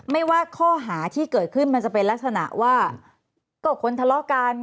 ไม่ว่าข้อหาที่เกิดขึ้นมันจะเป็นลักษณะว่าก็คนทะเลาะกัน